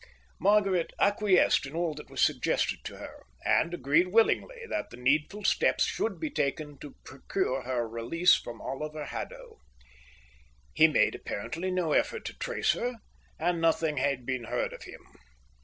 Margaret acquiesced in all that was suggested to her, and agreed willingly that the needful steps should be taken to procure her release from Oliver Haddo. He made apparently no effort to trace her, and nothing had been heard of him.